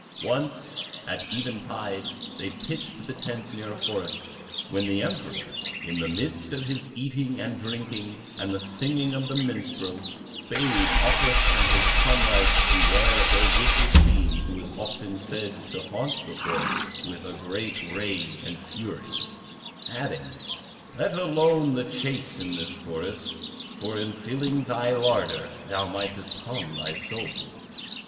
Once, at even tide, they pitched the tents near a forest, when the Emperor, in the midst of his eating and drinking and the singing of the minstrel, bade Offerus and his comrades beware of the wicked fiend who was said often to haunt the forest with great rage and fury, adding, 'Let alone the chase in this forest; for in filling thy larder, thou mightest harm thy soul.